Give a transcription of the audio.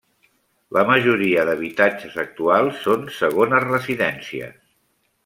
La majoria d'habitatges actuals són segones residències.